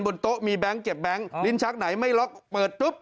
บนโต๊ะมีแบงค์เก็บแบงค์ลิ้นชักไหนไม่ล็อกเปิดปุ๊บ